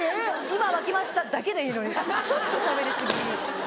「今沸きました」だけでいいのにちょっとしゃべり過ぎ。